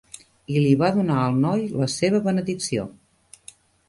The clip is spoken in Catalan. I li va donar al noi la seva benedicció.